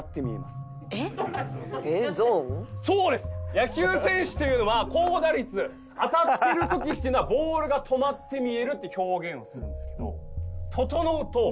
野球選手というのは高打率当たってる時っていうのはボールが止まって見えるっていう表現をするんですけど。